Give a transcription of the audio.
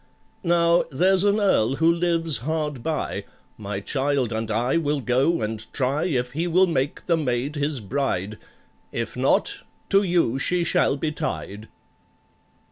Now, there's an Earl who lives hard by,— My child and I will go and try If he will make the maid his bride— If not, to you she shall be tied."